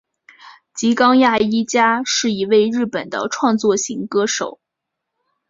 吉冈亚衣加是一位日本的创作型歌手。